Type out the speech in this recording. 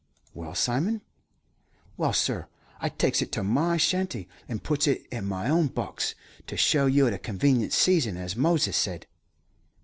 "Well, Simon?" "Well, sur, I takes it to my shanty, and puts it in my own box, to show you at 'a convenient season,' as Moses said."